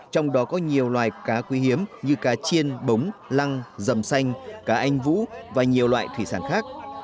trong đó có nhiều loài cá quý hiếm như cá chiên bống lăng dầm xanh cá anh vũ và nhiều loại thủy sản khác